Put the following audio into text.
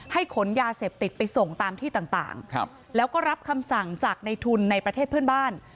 ขนยาเสพติดไปส่งตามที่ต่างแล้วก็รับคำสั่งจากในทุนในประเทศเพื่อนบ้าน